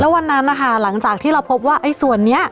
วันนั้นนะคะหลังจากที่เราพบว่าไอ้ส่วนนี้